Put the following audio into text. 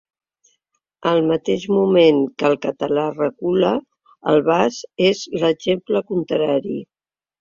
Al mateix moment que el català recula, el basc és l’exemple contrari.